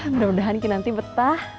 mudah mudahan nanti betah